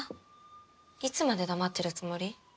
いつまで黙ってるつもり？